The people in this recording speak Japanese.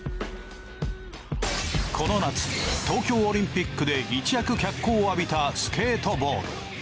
この夏東京オリンピックで一躍脚光を浴びたスケートボード。